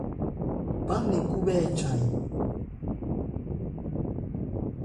Bán nne khúbhɛ́ ɛ chan ɛ ?